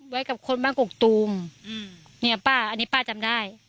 ไว้กับคนบ้านกกตูมอืมเนี่ยป้าอันนี้ป้าจำได้